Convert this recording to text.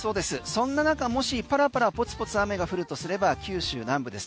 そんな中もしパラパラポツポツ雨が降るとすれば九州南部です。